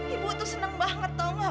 ibu tuh seneng banget tau gak